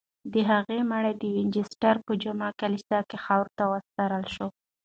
د هغې مړی د وینچسټر په جامع کلیسا کې خاورو ته وسپارل شو.